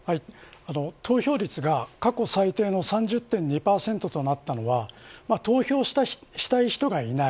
投票率が過去最低の３０．２％となったのは投票したい人がいない。